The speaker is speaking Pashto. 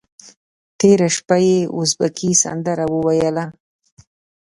تېره شپه یې ازبکي سندره وویله.